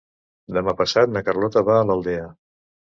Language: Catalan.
Demà passat na Carlota va a l'Aldea.